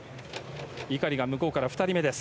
井狩は向こうから２人目です。